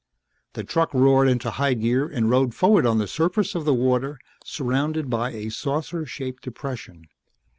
The truck roared into high gear and rode forward on the surface of the water surrounded by a saucer shaped depression.